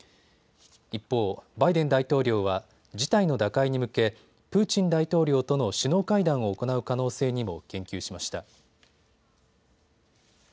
一方、バイデン大統領は事態の打開に向けプーチン大統領との首脳会談を行う可能性にも言及しました。